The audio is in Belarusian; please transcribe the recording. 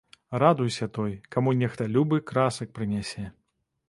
Радуйся той, каму нехта любы красак прынясе.